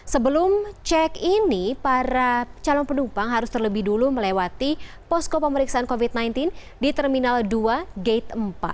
sebelum cek ini para calon penumpang harus terlebih dulu melewati posko pemeriksaan covid sembilan belas di terminal dua gate empat